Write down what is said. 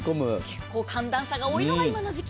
結構寒暖差が多いのがこの時期。